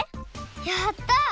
やった！